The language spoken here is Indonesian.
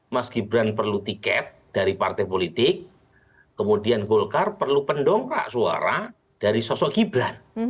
mas gibran perlu tiket dari partai politik kemudian golkar perlu pendongkrak suara dari sosok gibran